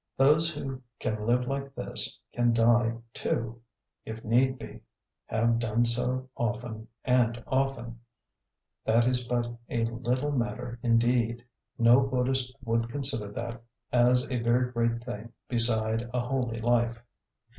Those who can live like this can die, too, if need be have done so often and often; that is but a little matter indeed. No Buddhist would consider that as a very great thing beside a holy life.